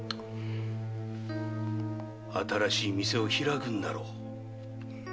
新しい店を開くんだろ。